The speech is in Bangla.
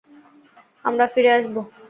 আমরা ফিরে আসবো।